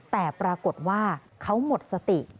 แต่ปรากฏว่าเขาหมดสติ